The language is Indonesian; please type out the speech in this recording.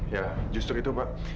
ya justru itu pak